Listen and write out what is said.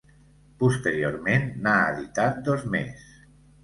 Posteriorment n'ha editat dos més.